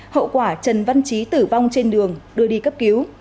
hậu quả trần văn trí tử vong trên đường đưa đi cấp cứu